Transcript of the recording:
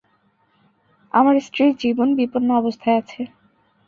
আপনার স্ত্রীর জীবন বিপন্ন অবস্থায় আছে!